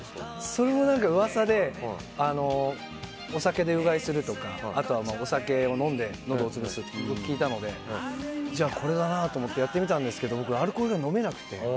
それは噂でお酒でうがいするとかお酒を飲んでのどを潰すって聞いたのでこれだなと思ってやってみたんですけど僕アルコールが飲めなくて。